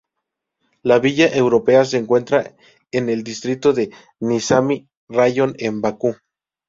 La Villa europea se encuentra en el distrito de Nizami raion en Bakú.